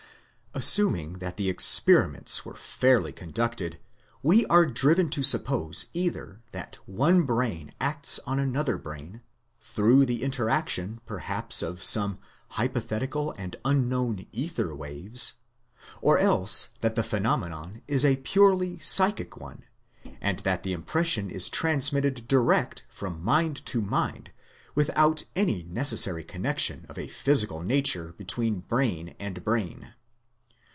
Assuming that the experiments were fairly conducted, we are driven to suppose either that one brain acts on another brain, through the interaction perhaps of some hypothetical and un known ether waves; or else that the phenomenon is a purely psychic one, and that the impression is transmitted direct from mind to mind without any necessary connection of a physical nature between brain and brain.